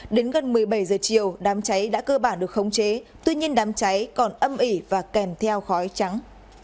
đến gần một mươi bảy giờ chiều đám cháy đã cơ bản được khống chế tuy nhiên đám cháy còn âm ỉ và kèm theo khói trắng